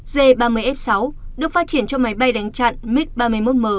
g ba mươi f sáu được phát triển cho máy bay đánh chặn mig ba mươi một m